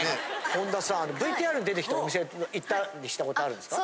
本田さんＶＴＲに出てきたお店行ったりしたことあるんですか？